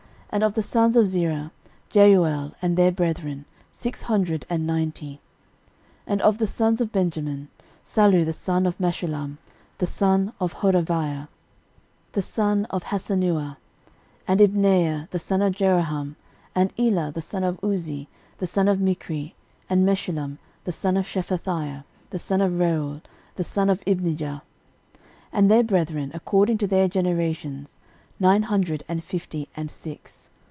13:009:006 And of the sons of Zerah; Jeuel, and their brethren, six hundred and ninety. 13:009:007 And of the sons of Benjamin; Sallu the son of Meshullam, the son of Hodaviah, the son of Hasenuah, 13:009:008 And Ibneiah the son of Jeroham, and Elah the son of Uzzi, the son of Michri, and Meshullam the son of Shephathiah, the son of Reuel, the son of Ibnijah; 13:009:009 And their brethren, according to their generations, nine hundred and fifty and six.